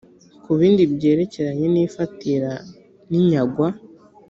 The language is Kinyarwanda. ku bindi byerekeranye n ifatira n inyagwa